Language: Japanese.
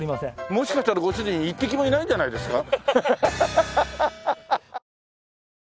もしかしたらご主人一匹もいないんじゃないですか？